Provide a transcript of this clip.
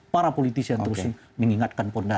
para politisi yang terus mengingatkan fondasi